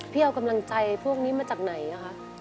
เอากำลังใจพวกนี้มาจากไหนนะคะ